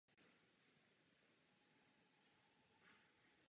Dalšími atributy jsou kniha či svitek a palma.